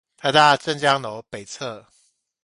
臺大鄭江樓北側